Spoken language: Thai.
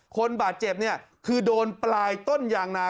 คนบาดเจ็บเนี่ยคือโดนปลายต้นยางนา